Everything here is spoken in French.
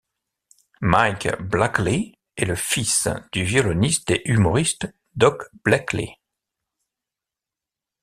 Mike Blakely est le fils du violoniste et humoriste Doc Blakely.